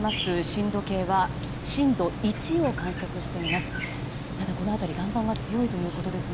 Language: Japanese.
震度計は震度１を観測しています。